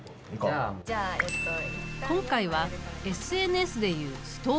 今回はＳＮＳで言う「ストーリー」。